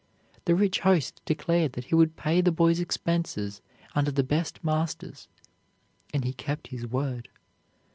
The rich host declared that he would pay the boy's expenses under the best masters, and he kept his word.